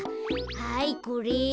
はいこれ。